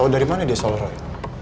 tau dari mana dia soal roy